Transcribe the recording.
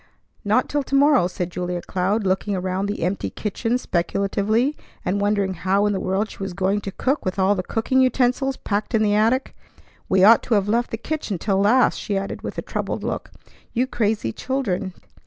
"Not till to morrow," said Julia Cloud, looking around the empty kitchen speculatively, and wondering how in the world she was going to cook with all the cooking utensils packed in the attic. "We ought to have left the kitchen till last," she added with a troubled look. "You crazy children!